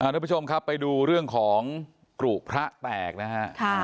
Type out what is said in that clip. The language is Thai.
ทุกผู้ชมครับไปดูเรื่องของกรุพระแตกนะฮะ